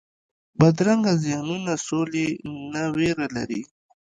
بدرنګه ذهنونونه سولې نه ویره لري